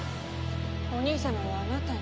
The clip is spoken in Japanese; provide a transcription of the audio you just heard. お兄様はあなたに。